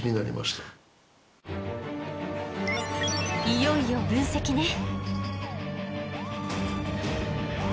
いよいよ分析ね。